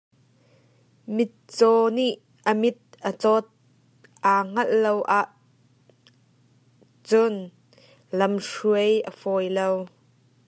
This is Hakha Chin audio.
Mitcaw nih a mit a cawt aa hngalh lo ahcun lam hruai a fawi lo.